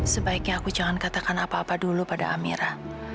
sebaiknya aku jangan katakan apa apa dulu pada amira